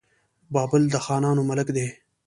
بابل د خانانو ملک دی.